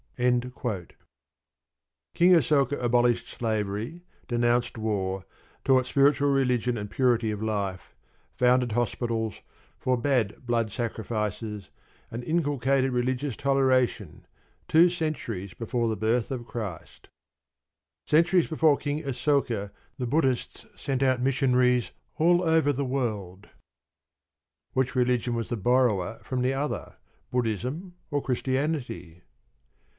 King Asoka abolished slavery, denounced war, taught spiritual religion and purity of life, founded hospitals, forbade blood sacrifices, and inculcated religious toleration, two centuries before the birth of Christ. Centuries before King Asoka the Buddhists sent out missionaries all over the world. Which religion was the borrower from the other Buddhism or Christianity?